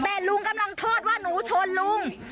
แต่ลุงกำลังโทษว่าหนูชนลุง